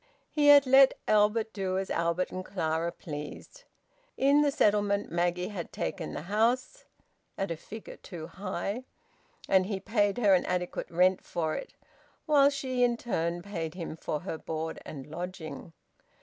He had let Albert do as Albert and Clara pleased. In the settlement Maggie had taken the house (at a figure too high), and he paid her an adequate rent for it, while she in turn paid him for her board and lodging.